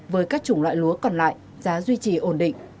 với các chủng loại lúa còn lại giá duy trì ổn định